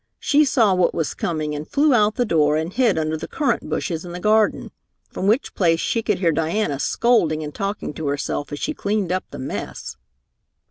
She saw what was coming and flew out the door and hid under the currant bushes in the garden, from which place she could hear Diana scolding and talking to herself as she cleaned up the mess.